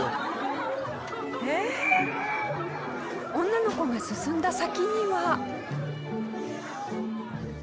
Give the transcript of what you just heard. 女の子が進んだ先には。